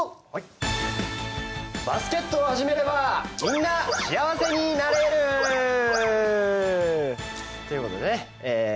バスケットを始めればみんなしあわせになれる！ということでねええっ？